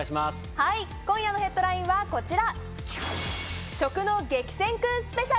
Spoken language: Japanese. はい今夜のヘッドラインはこちら。